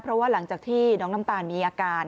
เพราะว่าหลังจากที่น้องน้ำตาลมีอาการ